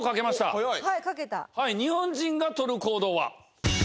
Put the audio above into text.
日本人が取る行動は？